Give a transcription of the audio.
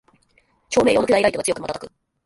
照明用の巨大ライトが強くまたたく